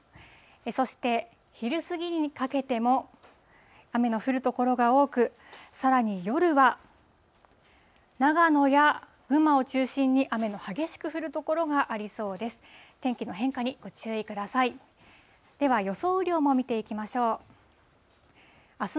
そして、昼過ぎにかけても、雨の降る所が多く、さらに夜は、長野や、群馬を中心に雨の激しく降る所がありそうです。